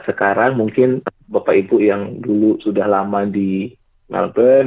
sekarang mungkin bapak ibu yang dulu sudah lama di melbourne